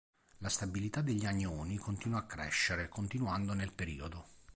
La stabilità degli anioni continua a crescere continuando nel periodo.